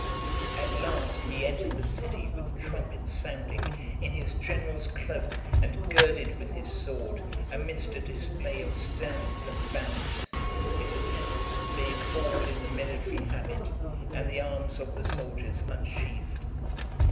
XI. At last he entered the City with trumpets sounding, in his general's cloak, and girded with his sword, amidst a display of standards and banners; his attendants being all in the military habit, and the arms of the soldiers unsheathed.